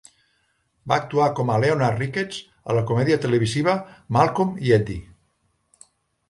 Va actuar com a "Leonard Rickets" a la comèdia televisiva "Malcolm i Eddie".